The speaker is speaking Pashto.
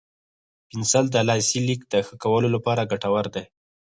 پنسل د لاسي لیک د ښه کولو لپاره ګټور دی.